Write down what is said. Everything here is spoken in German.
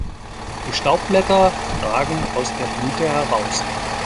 Die Staubblätter ragen aus der Blüte heraus.